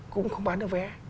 cũng không bán được vé